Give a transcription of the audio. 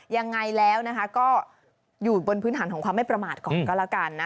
ยังไงแล้วนะคะก็อยู่บนพื้นฐานของความไม่ประมาทก่อนก็แล้วกันนะ